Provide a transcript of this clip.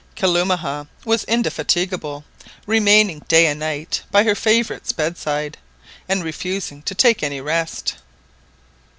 Kalumah was indefatigable, remaining day and night by her favourite's bedside, and refusing to take any rest.